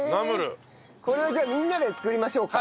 これはじゃあみんなで作りましょうか。